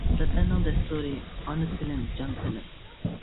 خىسلەتلەرنىڭ دەستۇرى، ئانا تىلىم جان تىلىم.